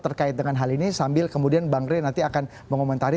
terkait dengan hal ini sambil kemudian bang rey nanti akan mengomentari